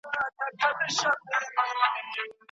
د ماشوم د سترګو رپېدل مه هېروئ.